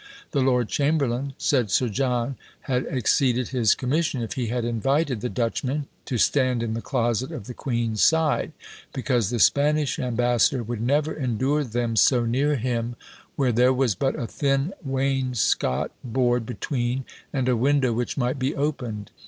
The lord chamberlain said Sir John had exceeded his commission, if he had invited the Dutchmen "to stand in the closet of the queen's side; because the Spanish ambassador would never endure them so near him, where there was but a thin wainscot board between, and a window which might be opened!"